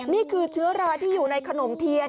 นี่คือเชื้อราที่อยู่ในขนมเทียน